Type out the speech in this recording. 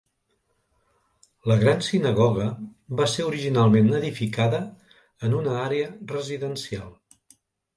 La Gran Sinagoga va ser originalment edificada en una àrea residencial.